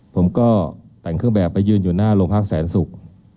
ผมก็แต่งเครื่องแบบไปยืนอยู่หน้าโรงพักแสนศุกร์